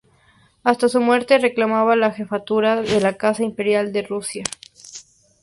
Hasta su muerte reclamaba la jefatura de la Casa Imperial de Rusia.